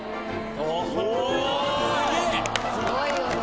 すごいよね。